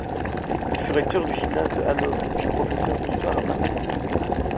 Il fut recteur du gymnase de Hanovre, puis professeur d'histoire à Marbourg.